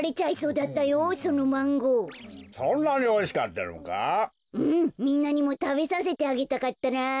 うんみんなにもたべさせてあげたかったなぁ。